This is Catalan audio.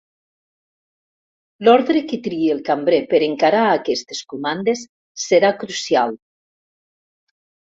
L'ordre que triï el cambrer per encarar aquestes comandes serà crucial.